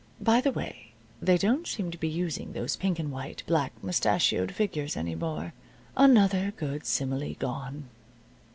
(By the way, they don't seem to be using those pink and white, black mustachioed figures any more. Another good simile gone.)